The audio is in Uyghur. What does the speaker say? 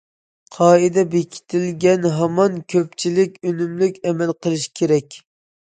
قائىدە بېكىتىلگەن ھامان كۆپچىلىك ئۈنۈملۈك ئەمەل قىلىشى كېرەك.